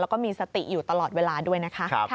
แล้วก็มีสติอยู่ตลอดเวลาด้วยนะคะ